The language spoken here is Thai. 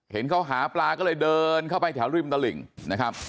เห็นเขาหาปลาก็เลยเดินเข้าไปแถวริมตลิ่งนะครับ